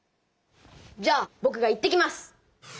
じゃあぼくが行ってきます。